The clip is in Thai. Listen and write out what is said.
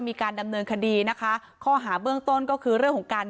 มีการดำเนินคดีนะคะข้อหาเบื้องต้นก็คือเรื่องของการ